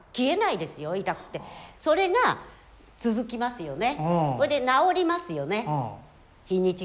それが続きますよね。